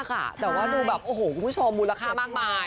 คือดูแบบโอ้โหผมชอบมูลค่ามากมาย